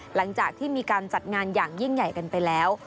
หลังจากที่มีการจัดงานอย่างยิ่งใหญ่กันไปแล้ว